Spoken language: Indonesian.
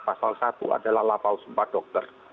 pasal satu adalah lapau sempat dokter